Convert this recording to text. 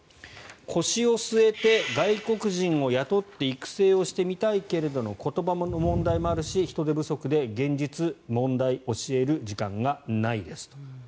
腰を据えて外国人を雇って育成してみたいけど言葉の問題もあるし人手不足で現実問題教える時間がないですと。